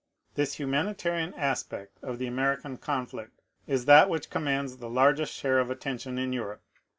This humanitarian aspect of the American conflict is that which commands the largest share of attention in Europe.